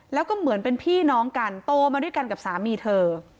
แล้วก็เหมือนเป็นพี่น้องกันโตมาด้วยกันกับสามีเธอ